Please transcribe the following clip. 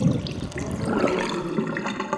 موږ ټوله روغ جوړ یو